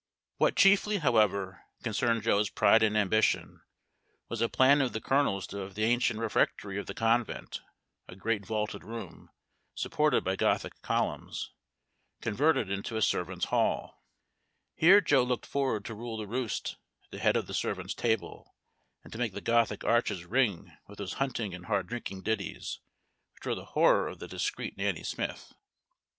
What chiefly, however, concerned Joe's pride and ambition, was a plan of the Colonel's to have the ancient refectory of the convent, a great vaulted room, supported by Gothic columns, converted into a servants' hall. Here Joe looked forward to rule the roast at the head of the servants' table, and to make the Gothic arches ring with those hunting and hard drinking ditties which were the horror of the discreet Nanny Smith.